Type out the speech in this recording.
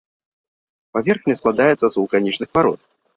Паверхня складаецца з вулканічных парод.